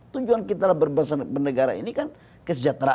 tujuan kita dalam berbangsa dan bernegara ini kan kesejahteraan